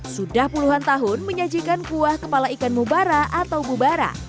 sudah puluhan tahun menyajikan kuah kepala ikan mubara atau bubara